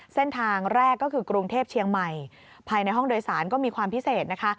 เส้นทางแรกก็คือกรุงเทพเชียงใหม่ภายในห้องโดยสารก็มีความพิเศษนะคะ